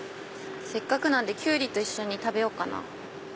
せっかくなんでキュウリと一緒に食べようかな。